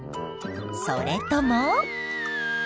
それとも。